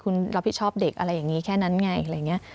คุณรับผิดชอบเด็กอะไรอย่างนี้แค่นั้นไงอะไรอย่างนี้